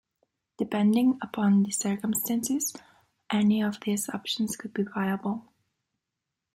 Depending upon the circumstances, any of these options could be viable.